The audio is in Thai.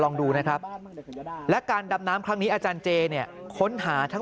ลองดูนะครับและการดำน้ำครั้งนี้อาจารย์เจเนี่ยค้นหาทั้ง